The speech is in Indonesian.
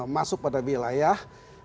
masuk pada wilayah